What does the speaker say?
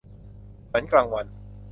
ฝันกลางวัน